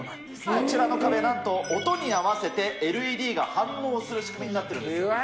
こちらの壁、なんと音に合わせて、ＬＥＤが反応する仕組みになってるんです。